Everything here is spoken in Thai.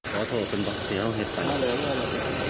คุณฟิว์นี่เห็นมั้ยคะ